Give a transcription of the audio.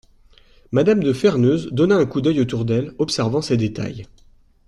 M^{me} de Ferneuse donna un coup d’œil autour d’elle, observant ces détails.